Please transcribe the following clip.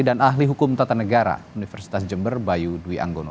dan ahli hukum tata negara universitas jember bayu dwi anggono